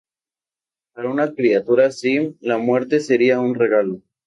Para una criatura así, la muerte sería un regalo".